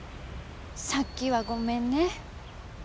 さっきはごめんね。